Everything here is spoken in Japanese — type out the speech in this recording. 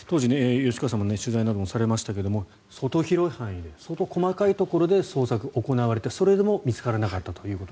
当時、吉川さんも取材などをされましたけれど相当広い範囲相当細かいところまで捜索が行われてそれでも見つからなかったと。